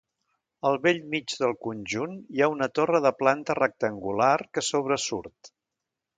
Al bell mig del conjunt hi ha una torre de planta rectangular que sobresurt.